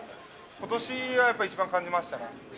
ことしがやっぱり一番感じましたね。